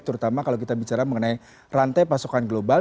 terutama kalau kita bicara mengenai rantai pasokan global